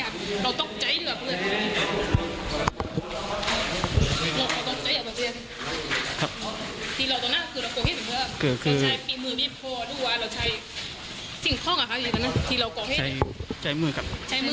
อ้อขอต้องจัดให้เรียกครับคือคือคือครับ